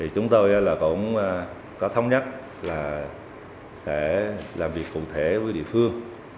chúng tôi cũng có thông nhắc là sẽ làm việc phụ thuộc